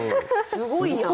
すごいやん！